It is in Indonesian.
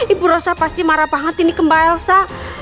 ibu elsa pasti marah banget ini ke mbak elsa